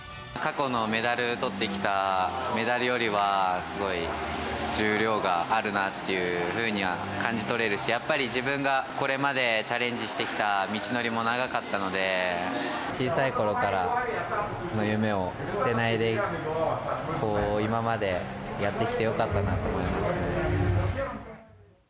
過去のメダルとってきたメダルよりは、すごい重量があるなっていうふうには感じ取れるし、やっぱり自分がこれまでチャレンジしてきた道のりも長かったので、小さいころからの夢を捨てないで、今までやってきてよかったなと思いますね。